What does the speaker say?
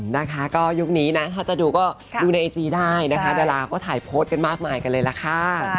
นะคะก็ยุคนี้นะถ้าจะดูก็ดูในไอจีได้นะคะดาราก็ถ่ายโพสต์กันมากมายกันเลยล่ะค่ะ